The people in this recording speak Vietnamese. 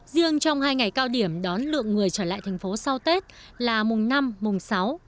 riêng trong hai ngày cao điểm đón lượng người trở lại thành phố sau tết là mùng năm mùng sáu